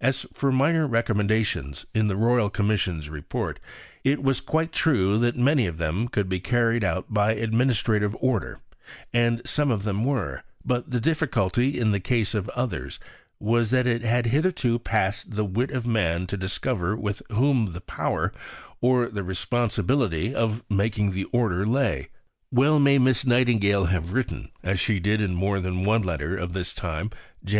As for minor recommendations in the Royal Commission's Report, it was quite true that many of them could be carried out by administrative order, and some of them were; but the difficulty in the case of others was that it had hitherto passed the wit of man to discover with whom the power, or the responsibility, of making the order lay. Well may Miss Nightingale have written, as she did in more than one letter of this time (Jan.